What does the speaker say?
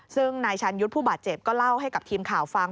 ซึ่งนายชันยุทธ์ผู้บาดเจ็บก็เล่าให้กับทีมข่าวฟัง